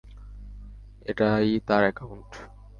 এটাই তার একাউন্ট।